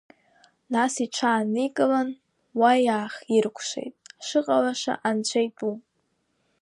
Нас иҽааникылан, уа иаахиркәшеит, ҳшыҟалаша анцәа итәуп.